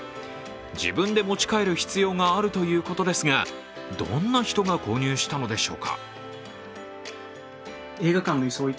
自分で持ち帰る必要があるということですが、どんな人が購入したのでしょうか。